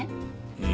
うん。